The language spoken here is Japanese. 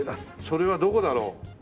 それはどこだろう？